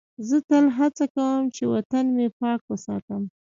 زه تل هڅه کوم چې وطن مې پاک وساتم.